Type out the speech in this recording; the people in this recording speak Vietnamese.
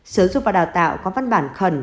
sở dục và đào tạo có văn bản khẩn